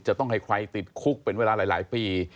จะต้องให้ใครติดคุกเป็นเวลาหลายปี